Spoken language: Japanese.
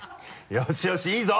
よしよしいいぞ！